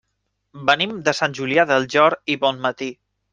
Venim de Sant Julià del Llor i Bonmatí.